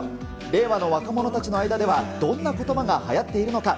令和の若者たちの間ではどんなことばがはやっているのか。